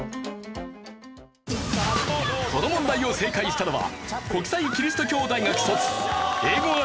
この問題を正解したのは。